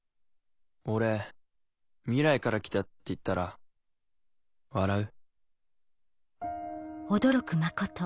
俺未来から来たって言ったら笑う？